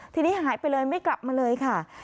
ทีนี้หายไปเลยไม่กลับมาเลยค่ะ